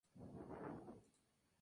Con ese aceite se calienta agua.